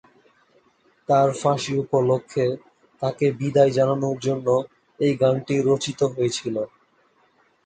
তার ফাঁসি উপলক্ষে তাকে বিদায় জানানোর জন্য এই গানটি রচিত হয়েছিল।